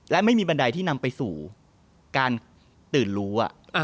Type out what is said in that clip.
และไม่มีบันไดที่นำไปสู่การตื่นรู้